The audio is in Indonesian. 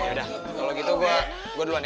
yaudah kalau gitu gue duluan